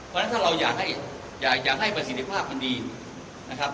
เพราะฉะนั้นถ้าเราอยากให้ประสิทธิภาพมันดีนะครับ